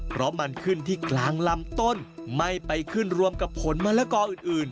เพราะมันขึ้นที่กลางลำต้นไม่ไปขึ้นรวมกับผลมะละกออื่น